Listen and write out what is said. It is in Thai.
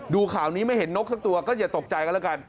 ข่าวนี้ไม่เห็นนกสักตัวก็อย่าตกใจกันแล้วกัน